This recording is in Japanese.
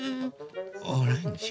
オレンジ。